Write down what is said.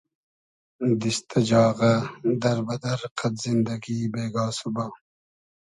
دیست دۂ جاغۂ، دئر بئدئر قئد زیندئگی بېگا سوبا